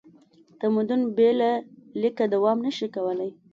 تمدن بې له لیکه دوام نه شي کولی.